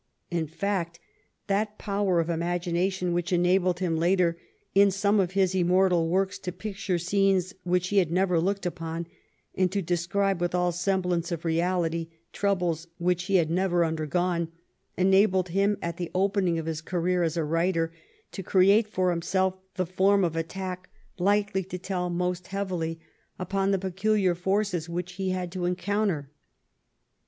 In fact, that power of imagination which enabled him later in some of his immortal works to picture scenes which he had never looked upon, and to describe with all semblance of reality troubles which he had never undergone, enabled him at the opening of his career as a writer to create for himself the form of attack likely to tell most 70 DISSENT AND DEFOE heavily upon the peculiar forces which he had to en counter.